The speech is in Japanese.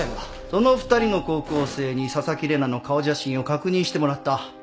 その２人の高校生に紗崎玲奈の顔写真を確認してもらった。